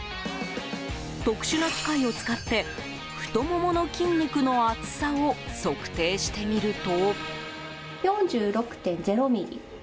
特殊な機械を使って太ももの筋肉の厚さを測定してみると。